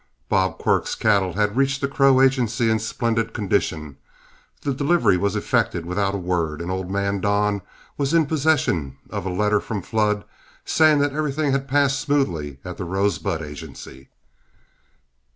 Bob Quirk's cattle had reached the Crow Agency in splendid condition, the delivery was effected without a word, and old man Don was in possession of a letter from Flood, saying everything had passed smoothly at the Rosebud Agency.